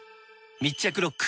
密着ロック！